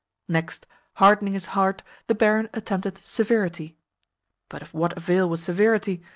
Next, hardening his heart, the barin attempted severity. But of what avail was severity?